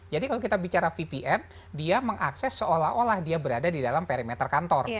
jadi kalau kita bicara vpn dia mengakses seolah olah dia berada di dalam perimeter kantor